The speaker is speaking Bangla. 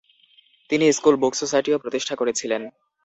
তিনি স্কুল বুক সোসাইটিও প্রতিষ্ঠা করেছিলেন।